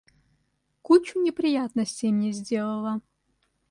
Кучу неприятностей мне сделала.